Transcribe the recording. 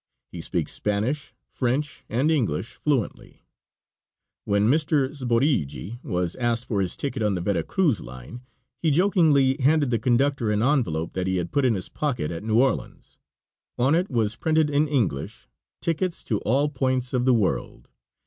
He speaks Spanish, French, and English fluently. When Mr. Sborigi was asked for his ticket on the Vera Cruz line, he jokingly handed the conductor an envelope that he had put in his pocket at New Orleans. On it was printed in English, "Tickets to all points of the world."